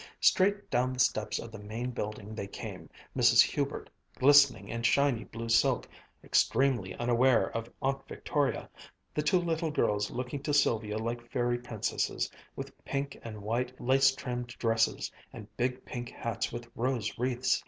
Straight down the steps of the Main Building they came, Mrs. Hubert glistening in shiny blue silk, extremely unaware of Aunt Victoria, the two little girls looking to Sylvia like fairy princesses, with pink and white, lace trimmed dresses, and big pink hats with rose wreaths.